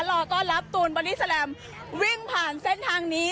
รอต้อนรับตูนบอดี้แลมวิ่งผ่านเส้นทางนี้